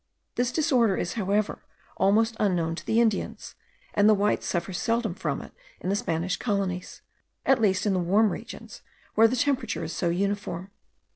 * This disorder is, however, almost unknown to the Indians; and the whites suffer seldom from it in the Spanish colonies, at least in the warm regions, where the temperature is so uniform.